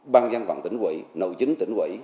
ban giam phòng tỉnh quỹ nội chính tỉnh quỹ